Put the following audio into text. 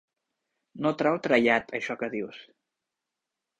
No trau trellat, això que dius.